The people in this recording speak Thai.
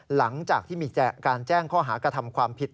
หลังจากที่มีการแจ้งข้อหากระทำความผิด